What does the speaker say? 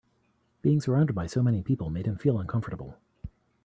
Being surounded by so many people made him feel uncomfortable.